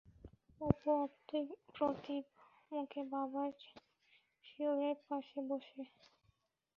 অপু অপ্রতিভ মুখে বাবার শিয়রের পাশে বসে।